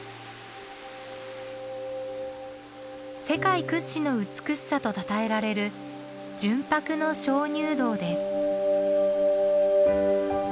世界屈指の美しさとたたえられる純白の鍾乳洞です。